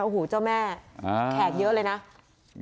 โอ้โหเจ้าแม่แขกเยอะเลยนะ